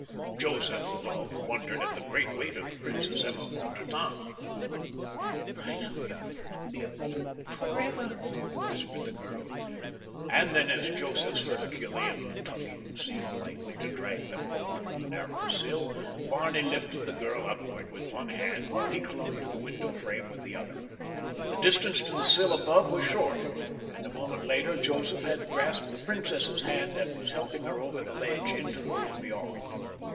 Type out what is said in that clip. Joseph, above, wondered at the great weight of the Princess Emma von der Tann. "I love you, Leopold, forever," whispered the girl, and then as Joseph's Herculean tugging seemed likely to drag them both from the narrow sill, Barney lifted the girl upward with one hand while he clung to the window frame with the other. The distance to the sill above was short, and a moment later Joseph had grasped the princess's hand and was helping her over the ledge into the room beyond.